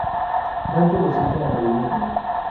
Dante lo cita en la Divina Comedia.